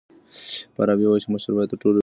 فارابي وایي چي مشر باید تر ټولو پوه وي.